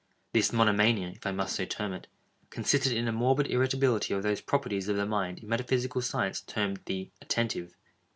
This monomania, if I must so term it, consisted in a morbid irritability of those properties of the mind in metaphysical science termed the attentive.